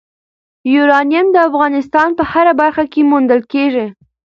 یورانیم د افغانستان په هره برخه کې موندل کېږي.